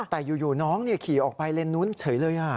แต่อยู่น้องขี่ออกไปเลนส์นู้นเฉยเลย